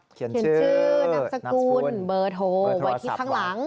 เขียนชื่อนามสกุลเบอร์โทรไว้ที่ข้างหลัง